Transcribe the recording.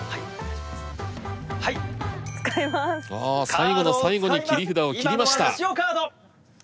最後の最後に切り札を切りました。